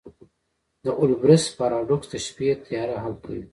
د اولبرس پاراډوکس د شپې تیاره حل کوي.